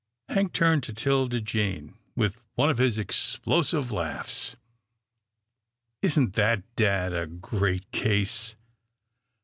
Hank turned to 'Tilda Jane with one of his explosive laughs. " Isn't that dad a great case.